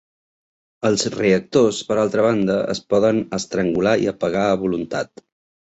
Els reactors, per altra banda, es poden estrangular i apagar a voluntat.